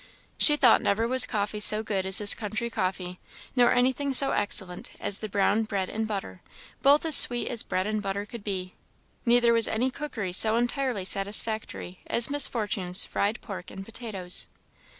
She thought never was coffee so good as this country coffee; nor anything so excellent as the brown bread and butter, both as sweet as bread and butter could be; neither was any cookery so entirely satisfactory as Miss Fortune's fried pork and potatoes.